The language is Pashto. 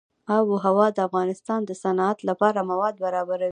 آب وهوا د افغانستان د صنعت لپاره مواد برابروي.